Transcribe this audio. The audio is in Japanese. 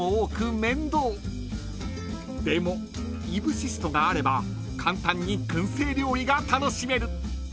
［でもイブシストがあれば簡単に薫製料理が楽しめる］